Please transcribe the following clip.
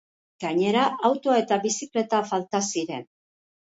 Gainera, autoa eta bizikleta falta ziren.